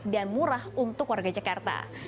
dan murah untuk warga jakarta